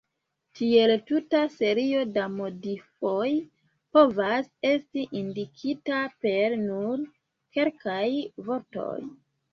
Tiel tuta serio da modifoj povas esti indikita per nur kelkaj vortoj.